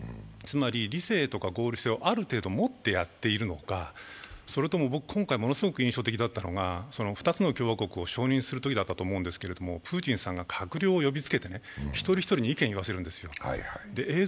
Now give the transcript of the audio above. つまり理性とか合理性をある程度持ってやっているのか、それとも今回、ものすごく印象的だったのが、２つの共和国を承認するときだったと思うんですけれども、プーチンさんが閣僚を呼びつけて一人一人に意見を言わせるんですよ。